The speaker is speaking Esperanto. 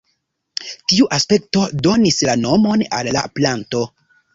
Tiu aspekto donis la nomon al la planto.